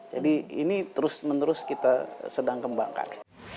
jadi ini terus menerus kita sedang kembangkan